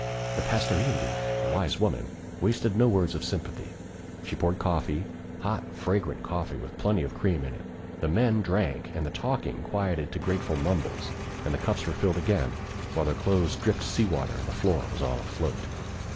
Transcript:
The Pastorinde wise woman wasted no words of sympathy: she poured coffee, hot fragrant coffee with plenty of cream in it. The men drank and the talking quieted to grateful mumbles, and the cups were filled again, while their clothes dripped sea water and the floor was all afloat.